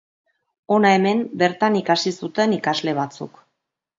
Hona hemen bertan ikasi zuten ikasle batzuk.